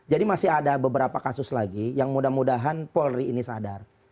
jadi masih ada beberapa kasus lagi yang mudah mudahan polri ini sadar